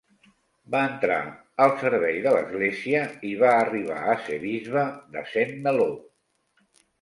Va entrar al servei de l'Església i va arribar a ser Bisbe de Saint-Malo.